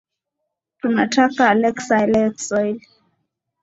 Tunataka Alexa aelewe Kiswahili